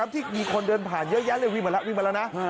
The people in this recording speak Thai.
ที่มีคนเดินผ่านเยอะแล้ววิ่งไปแล้วนะ